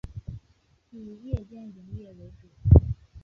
以夜间营业为主。